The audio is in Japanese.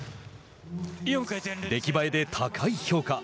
出来栄えで高い評価。